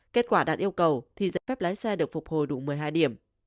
kết quả đạt yêu cầu thì giấy phép lái xe được phục hồi đủ một mươi hai điểm